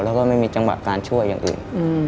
แล้วก็ไม่มีจังหวะการช่วยอย่างอื่น